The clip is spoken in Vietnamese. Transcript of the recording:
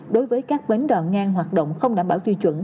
đối với các bến đò ngang hoạt động không đảm bảo tiêu chuẩn